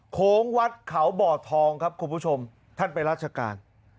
โค้งวัดเขาบ่อทองครับคุณผู้ชมท่านไปราชการ